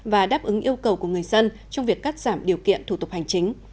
và đáp ứng yêu cầu của người dân trong việc cắt giảm điều kiện thủ tục hành chính